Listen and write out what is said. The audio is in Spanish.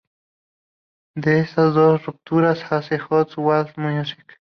De estas dos rupturas nace Hot Water Music.